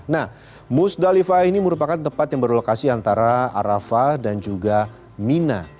nah musdalifah ini merupakan tempat yang berlokasi antara arafah dan juga mina